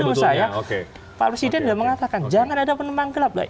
tapi menurut saya pak presiden sudah mengatakan jangan ada penumpang gelap lah